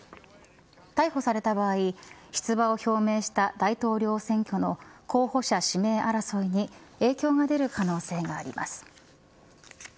逮捕された場合、出馬を表明した大統領選挙の候補者指名争いに影響が出る可能性があります。